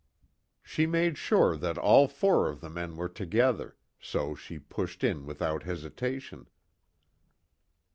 She made sure that all four of the men were together, so she pushed in without hesitation.